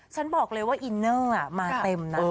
ฉันบอกเลยว่าอินเนอร์มาเต็มนะ